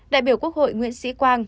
đại biểu quốc hội nguyễn sĩ quang